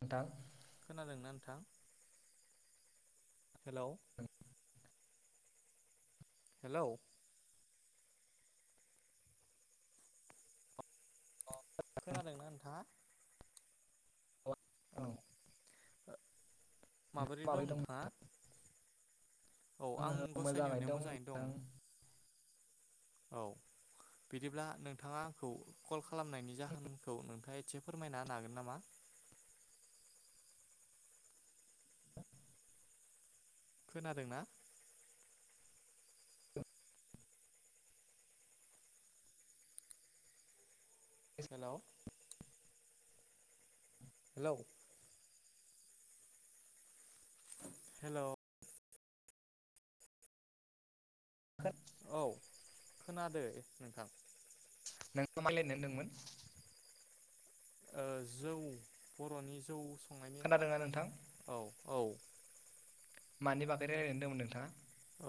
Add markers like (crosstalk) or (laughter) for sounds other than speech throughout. नोंथां खोनादोंना नोंथां हेलौ हेलौ अ खोनादोंना नोंथाङा औ ओ नोंथाङा माबोरै दं नोंथाङा औ आं गसाइनि अननायाव मोजाङैनो दं औ बिदिब्ला नोंथाङा आंखौ कल खालामनायनि जाहोनखौ नोंथाङा एसे फोरमायना हागोन नामा खोनादोंना नोंथाङा हेलौ हेलौ हेल' औ खोनादो नोंथां। नों (unintelligible) होनदोंमोन? ओ जौ बर'नि जौ संनायनि खोनादोंना नोंथां? औ औ मानि बागै रायलायनो होनदोंमोन नोंथाङा?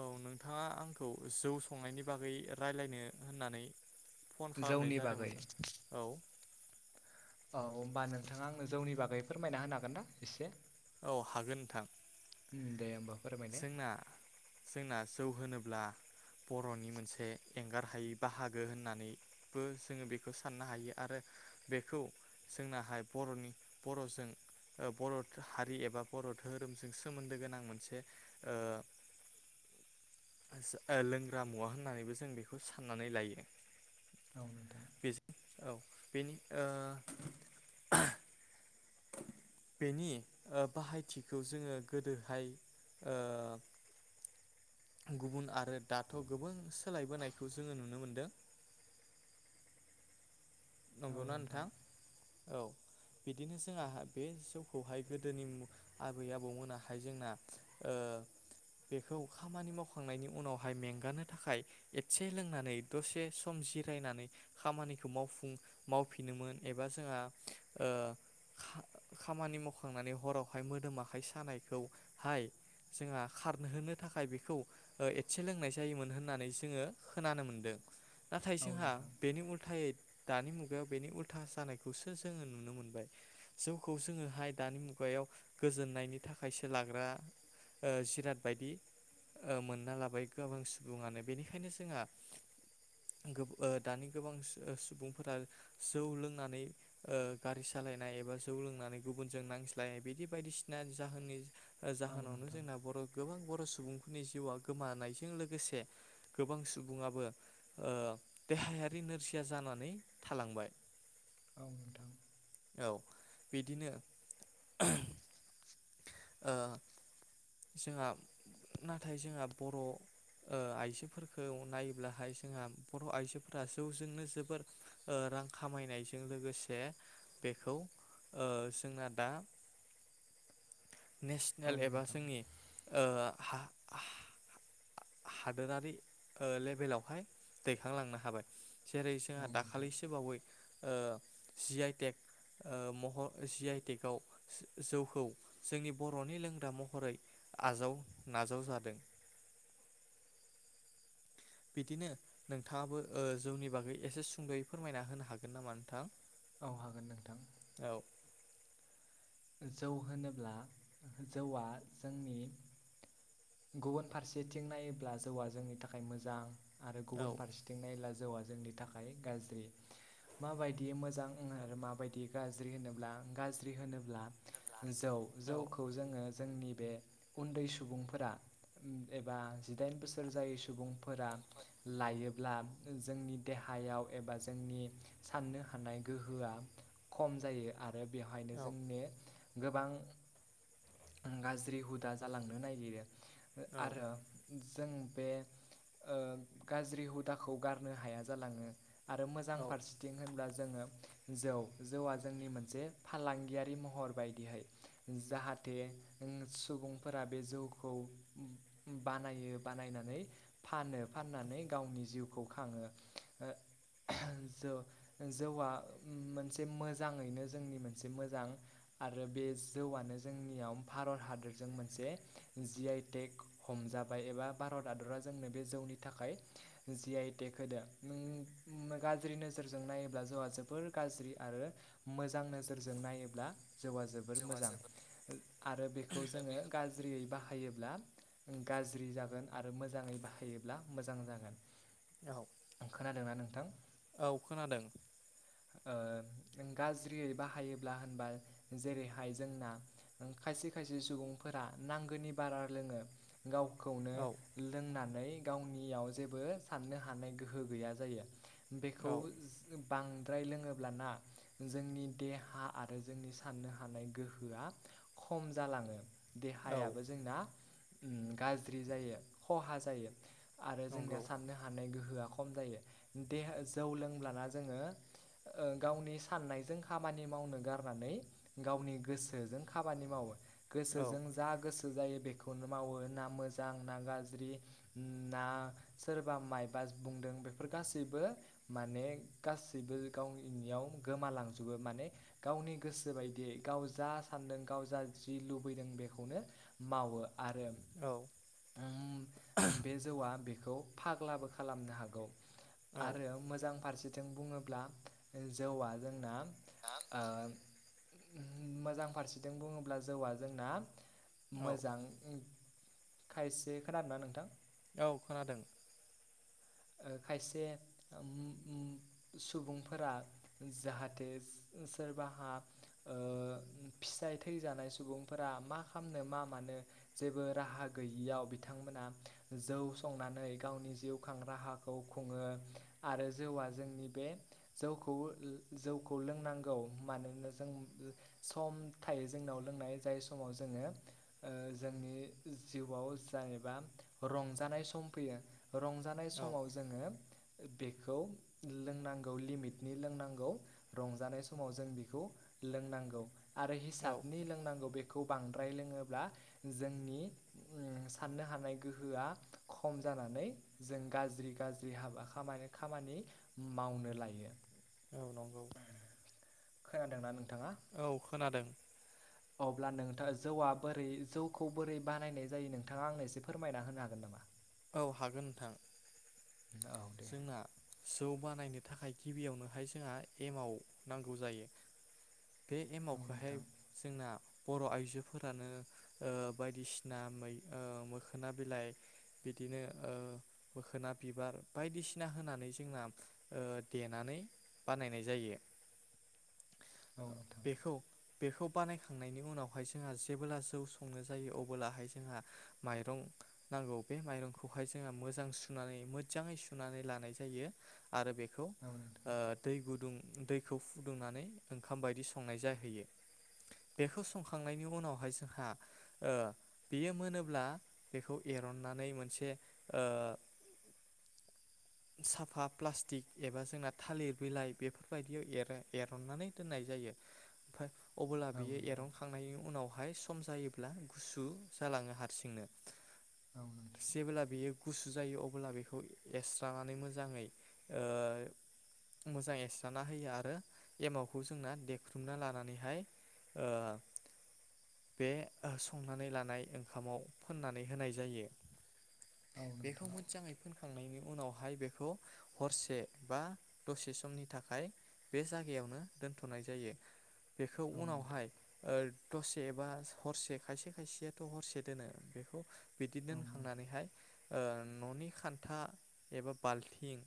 औ नोंथाङा आंखौ जौ संनायनि बागै रायलायनो होननानै फन खालामनाय जौनि बागै जादोमोन ना औ औ होमबा नोंथाङा आंनो जौनि बागै फोरमायना होनो हागोन ना इसे? औ हागोन नोंथां। उम दे होमबा। फोरमायलाय जोंना-जोंना जौ होनो ब्ला बर'नि मोनसे एंगार हायि बाहागो होननानै बो जोङो बेखो साननो हायो आरो बेखौ जोंनाहाय बर'नि बर'जों ओ बर' हारि एबा बर' दोहोरोमजों सोमोन्दो गोनां मोनसे ओ सो लोंग्रा मुवा होननानैबो जों बेखौ साननानै लायो। औ नोंथां बेजों औ बेनि ओ बेनि ओ बाहायथिखौ जोङो गोदोहाय ओ गुबुन आरो दाथ' गोबां सोलायबोनायखौ जोंङो नुनो मोनदों। नंगौना नोंथां? औ बिदिनो जोंहा बे जौखौहाय गोदोनि आबै आबौमोनाहाय जोंना ओ बेखौ खामानि मावखांनायनि उनावहाय मेंगानो थाखाय एसे लोंनानै दसे सम जिरायनानै खामानिखौ मावफुं मावफिनोमोन एबा जोंहा ओ खा - खामानि मावखांनानै हरावहाय मोदोम आखाइ सानायखौ हाय जोंहा खारहोनो थाखाय बेखौ एसे लोंनाय जायोमोन होननानै जोङो खोनानो मोनदो। नाथाय औ जोंहा नोंथां बेनि उल्थायै दानि मुगायाव बेनि उल्था जानायखौसो जोङो नुनो मोनबाय। जौखौ जोङोहाय दानि मुगायाव गोजोननायनि थाखायसो लाग्रा ओ जिराद बायदि ओ मोनना लाबाय गोबां सुबुङानो बेनिखायनो जोंहा गोब ओ दानि गोबां सु ओ सुबुं फोरा जौ लोंनानै ओ गारि सालायनाय एबा जौ लोंनानै गुबुनजों नांज्लायनाय बिदि बायदिसिना जाहोननि औ जाहोनावनो नोंथां जोंना बर' गोबां बर' सुबुं नि जिउआ गोमानायजों लोगोसे गोबां सुबुङाबो ओ देहायारि नोरजिया जानानै थालांबाय। औ नोंथां औ बिदिनो ओ जोंहा नाथाय जोंहा बर' ओ आइजोफोरखौ नायोब्लाहाय जोंहा बर' आइजोफोरा जौजोंनो जोबोर ओ रां खामायनायजों लोगोसे बेखौ ओ जोंना दा औ नेसनेल एबा नोंथां जोंनि ओ हा हा-हादोरारि ओ लेभेलावहाय दैखांलांनो हाबाय। जेरै औ जोंहा नोंथां दाखालिसो बावै ओ जि आइ टेक ओ मह' जि आइ टेकाव जौखौ जोंनि बर'नि लोंग्रा महरै आजाव-नाजाव जादों। बिदिनो नोंथाङाबो ओ जौनि बागै एसे सुंद'यै फोरमायना होनो हागोन नामा नोंथां? औ हागोन नोंथां। औ जौ होनोब्ला जौआ जोंनि गुबुन फारसेथिं नायोब्ला जौआ जोंनि थाखाय मोजां आरो औ गुबुन फारसेथिं नायला जौआ जोंनि थाखाय गाज्रि माबायदि मोजां ओं माबायदि गाज्रि होनोब्ला गाज्रि होनोब्ला जौ औ जौखौ जोङो जोंनि बे उन्दै सुबुंफोरा उम एबा जिदाइन बोसोर जायै सुबुंफोरा लायोब्ला, जोंनि देहायाव एबा जोंनि साननो हानाय गोहोआ खम जायो आर ब-बेहायनो औ जोंनि गोबां ओ गाज्रि हुदा जालांनो नागिरो। ओ औ आरो। जों बे ओ गाज्रि हुदाखौ गारनो हाया जालाङो। आरो मोजां औ फारसेथिं होनब्ला। जोङो जौ जौआ जोंनि मोनसे फालांगियारि महर। बदिहाय जाहाथे नों सुबुंफोरा बे जौखौ बानायो बानायनानै फानो फाननानै गावनि जिउखौ खाङो ओ जौ जौआ मोनसे मोजाङैनो जोंनि मोनसे मोजां। आरो बे जौआनो जोंनियाव भारत हादरजों मोनसे जि आइ टेक हमजाबाय एबा भारत हादरा जोंनो बे जौनि थाखाय जि आइ टेक होदो गाज्रि नोजोरजों नायोब्ला जौआ जोबोर गाज्रि आरो मोजां नोजोरजों नायोब्ला। जौआ जोबोर मोजां आरो बेखौ जोङो गाज्रियै बाहायोब्ला। गाज्रि जागोन आरो मोजाङै बाहायोब्ला मोजां जागोन औ खोनादों ना नोंथां। औ खोनादों। ओ गाज्रियै बाहायोब्ला होनबा। जेरैहाय जोंना खायसे खायसे सुबुंफोरा नांगौनि बारा लोङो गावखौनो औ लोंनानै। गावनियाव जेबो साननो हानाय गोहो गैया जायो। बेखौ औ बां। द्राय लोङोब्लाना जोंनि देहा आरो जोंनि साननो हानाय गोहोआ खम जालाङो। औ देहायाबो जोंना। उम गाज्रि जायो खहा जायो। आरो जोंनिया नंगौ साननो हानाय गोहोआ। खम जायो देहा जौ लोंब्लाना जोङो ओ गावनि साननायजों खामानि मावनो गारनानै। गावनि गोसोजों खामानि मावो। औ गोसोजों जा गोसो। जायो बेखौनो मावो ना मोजां ना गाज्रि ना सोरबा माइबा बुंदों बेफोर गासैबो माने गाससिबो गावनिनियाव गोमालांजोबो माने गावनि गोसो। गोसोबायदि गाव जा सान्दों गाव जा जि लुबैदों बेखौनो मावो। आरो औ उम बे जौआ। बेखौ फाग्लाबो खालामनो हागौ। औ आरो मोजां फारसे। जों बुङोब्ला जौआ जोंना। ओ। मोजां फारसेथि बुङोब्ला जौआ जोंना औ मोजां खायसे खोनादोंना नोंथां औ खोनादों ओ खायसे सुबुंफोरा जाहाथे सोरबाहा ओ फिसाय थैजानाय सुबुंफोरा मा खालामनो मा मानो जेबो राहा गैयियाव बिथांमोना जौ संनानै गावनि जिउखौ खांराहाखौ खुङो आरो जौआ जोंनि बे जौखौ जौखौ लोंनांगौ मोनोना जों सम थायो जोंनाव लोंनाय जाय समाव जोङो ओ जोंनि जिउआव जा एबा रंजानाय सम फैयो रं जानाय औ समाव जोङो बेखौ लोंनांगौ लिमिटनि लोंनांगौ रंजानाय समाव जों बेखौ लोंनांगौ आरो औ हिसाबनि लोंनांगौ बेखौ खौ बांद्राय लोङोब्ला जोंनि साननो हानाय गोहोआ खम जानानै जों गाज्रि गाज्रि हाबा खामानि खामानि मावनो लायो। औ नंगौ खोनादोंना नों औ खोनादों। अब्ला नोंथां जौआ बोरै जौखौ बोरै बानायनाय जायो नोंथाङा आंनो एसे फोरमायना होनो हागोन नामा? औ हागोन नोंथां। औ दे जोंना जौ बानायनो थाखाय गिबियावनोहाय जोंहा एमाव नांगौ जायो। बे औ एमावखौहाय नोंथां जोंना बर' आइजोफोरानो ओ बायदिसिना मै ओ मोखोना बिलाइ बिदिनो ओ मोखोना बिबार बायदिसिना होनानै जोंना ओ देनानै बानायनाय जायो। औ नोंथां बेखौ बेखौ बानायखांनायनि उनावहाय जोंहा जेबोब्ला जौ संनो जायो अब्लाहाय जोंहा माइरं नांगौ बे माइरंखौहाय जोंहा मोजां सुनानै मो मोजाङै सुनानै लानाय जायो। आरो बेखौ औ ओ नोंथां दै गुदुं दैखौ फुदुंनानै ओंखाम बायदि संनाय जाहैयो बेखौ संखांनायनि उनावहाय जोंहा ओ बेयो मोनोब्ला बेखौ एरननानै मोनसे ओ साफा प्लास्टिक एबा जोंना थालिर बिलाइ बेफोरबायदियाव एरो एरननानै दोननाय जायो ओमफ्राय अब्ला औ बियो नोंथां एरनखांनायनि उनावहाय सु खम जायोब्ला गुसु जालाङो हारसिंनो। औ नोंथां जेबोला बेयो गुसु जायो अब्ला बेखौ एस्रनानै मोजाङै ओ मोजां एरस्रा होयो आरो एमावखौ जोंना देख्रुबना लानानैहाय ओ बे संनानै लानाय ओंखामाव फोननानै होनाय जायो। औ बेखौ नोंथां मोजांयै खांनायनि उनावहाय बेखौ हरसे बा दसे समनि थाखाय बे जायगायावनो दोनथ'नाय जायो। बेखौ औ नोंथां उनावहाय ओ दसे बा हरसे खायसे खायसेयाथ' हरसे दोनो बेखौ बिदि दोनखांनानै हाय खान्था एबा बाल्थिं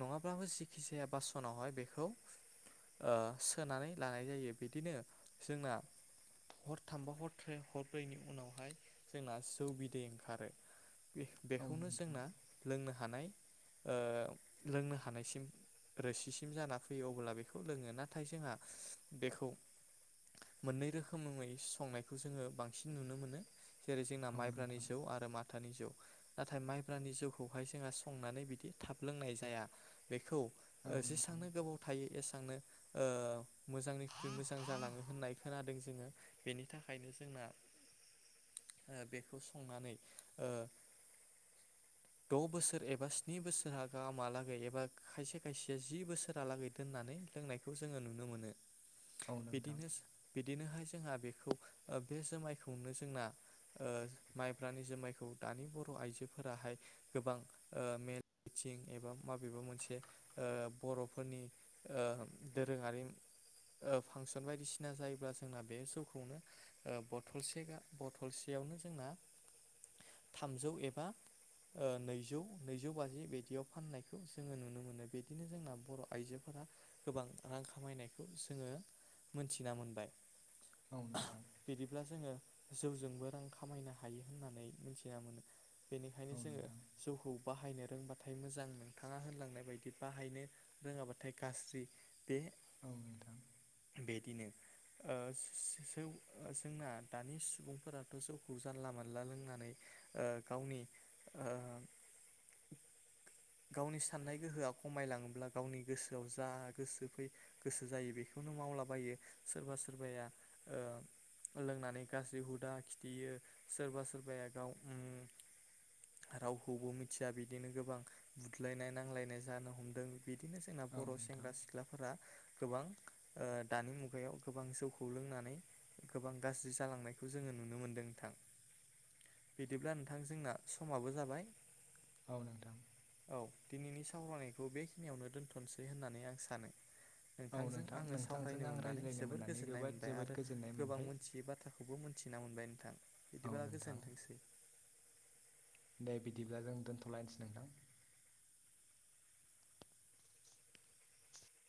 नङाब्लाबो जेखि जाया बासनावहाय बेखौ ओ सोनानै लानाय जायो। बिदिनो जोंना हरथामबा हरथ्रे हरब्रैनि उनावहाय जोंना जौ बिदै ओंखारो। औ बेखौनो नोंथां जोंना लोंनो हानाय ओ लोंनो हानायसिम रोसिसिम जाना फैयो अब्ला बेखौ लोङो नाथाय जोंहा बेखौ मोननै रोखोमै संनायखौ जोङो बांसिन नुनो मोनो। जेरै जोंना औ माइब्रानि नोंथां जौ आरो माथानि जौ। नाथाय माइब्रानि जौ खौहाय जोंहा संनानै बिदि थाब लोंनाय जाया बेखौ ओ औ नोंथां जेसांनो गोबाव थायो एसांनो ओ मोजांनिख्रुइ मोजां जालाङो होननाय खोनादों जोङो बेनि थाखायनो जोंना ओ बेखौ संनानै ओ द' बोसोर एबा स्नि बोसोर हा गाहामहालागै एबा खायसे खायसेया जि बोसोरालागै दोननानै लोंनायखौ जोङो नुनो मोनो। औ नोंथां औ नोंथां बिदिनो सि बिदिनो हायस जोंहा बे खौ आ बे जोमायखौनो जोंना ओ माइब्रानि जोमायखौ दानि बर' आइजोफोराहाय गोबां मेल थिं एबा माबेबा मोनसे आ बर'फोरनि ओ दोरोङारि ओ फांसन बायदिसिना जायोब्ला जोंना बे जौखौनो बथलसे गा बथलसेयावनो जोंना थामजौ एबा ओ नैजौ नैजौ बाजि बिदियाव फाननायखौ जोङो नुनो मोनो बिदिनो जोंना बर' आइजोफोरा गोबां रां खामायनायखौ सोंङो मोनथिना मोनबाय। औ नोंथां औ नोंथां बिदिब्ला जोङो जौजोंबो रां खामायना हायो होननानै मिथिना मोनो बेनिखायनो जोङो खौ बाहायनो रोंबाथाय मोजां नोंथाङा होनलांनाय बायदि बाहायनो रोङाबाथाय गाज्रि बे औ नोंथां। बिदिनो आ सि सि सोव आ जोंना दानि सुबुंफोराथ' जौखौ जानला मोनला लोंनानै आ गावनि आ गावनि साननाय गोहोआ खमायलाङोब्ला गावनि गोसोआव जा गोसो फै गोसो जायो बेखौनो मावलाबायो सोरबा सोरबाया ओ लोंनानै गाज्रि हुदा खिथियो सोरबा सोरबाया गाव उम रावखौबो मिथिया बिदिनो गोबां बुदलायनाय नांलायनाय जानो हमदों। बिदिनो जोंना औ बर' नोंथां सेंग्रा सिख्लाफोरा गोबां ओ दानि मुगायाव गोबां जौखौ लोंनानै गोबां गाज्रि जालांनायखौ जोङो नुनो मोनदों नोंथां बिदिब्ला नोंथां जोंना समाबो जाबाय औ नोंथां। औ दिनैनि सावरायनायखौ बेखिनियावनो दोन्थ'सै होननानै आं सानो। औ नोंथांजों नोंथां आङो नोंथांजों सावरायनो आं मोननानै रायज्लायनो जोबोर मोननानै गोजोननाय जोबोद मोनबाय जोबोद आरो गोजोननाय गोबां मोनबाय मोनथियै बाथ्राखौबो मोनथि थिना मोनबाय नोंथां‌ औ इदिबा नोंथां गोजोनथोंसै। दे बिदिब्ला जों दोनथ'लायनोसै नोंथां।